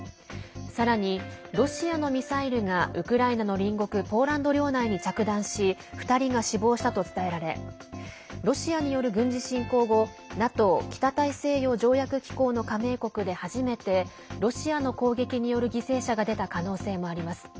さらにロシアのミサイルがウクライナの隣国ポーランド領内に着弾し２人が死亡したと伝えられロシアによる軍事侵攻後ＮＡＴＯ＝北大西洋条約機構の加盟国で初めてロシアの攻撃による犠牲者が出た可能性もあります。